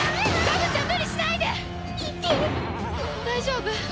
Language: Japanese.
大丈夫？